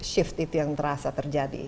shift itu yang terasa terjadi